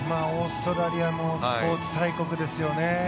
オーストラリアもスポーツ大国ですよね。